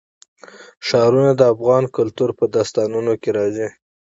ښارونه د افغان کلتور په داستانونو کې راځي.